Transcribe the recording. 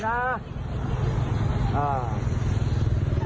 จาะจำทุกคน